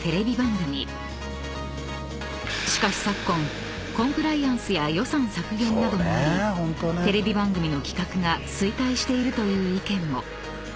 ［しかし昨今コンプライアンスや予算削減などによりテレビ番組の企画が衰退しているという意見も］